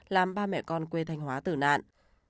làm ba mẹ con quê thành hóa tử nạn